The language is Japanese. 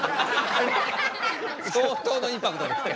相当のインパクトですね。